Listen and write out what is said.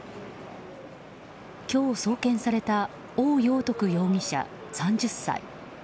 今日送検されたオウ・ヨウトク容疑者、３０歳。